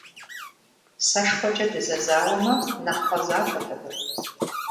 СэшхуэкӀэ дызэзауэмэ, нэхъ фӀэзахуэт абы.